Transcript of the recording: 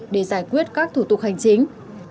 để giải quyết các thủ tục hành chính